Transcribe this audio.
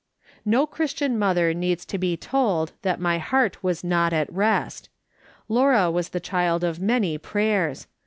No Christian mother needs to be told that my heart was not at rest. Laura was the child of many prayers.